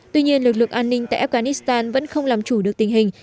tuy nhiên lực lượng an ninh tại afghanistan vẫn không làm chủ được tình hình